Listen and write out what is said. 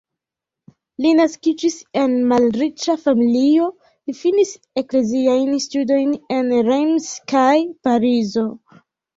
Li naskiĝis en malriĉa familio, li finis ekleziajn studojn en Reims kaj Parizo.